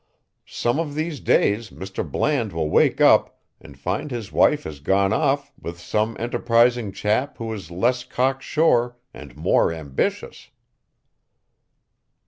Some of these days Mr. Bland will wake up and find his wife has gone off with some enterprising chap who is less cocksure and more ambitious."